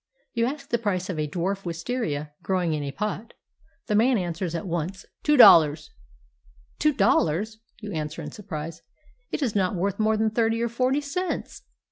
You ask the price of a dwarf wistaria growing in a pot. The man answers at once ,'' Two dollars ."" Two dollars !'' you an swer in surprise ;" it is not worth more than thirty or forty cents."